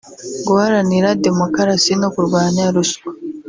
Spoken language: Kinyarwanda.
guharanira demokarasi no kurwanya ruswa